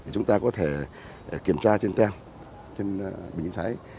chúng ta có thể kiểm tra trên tem trên bình chữa cháy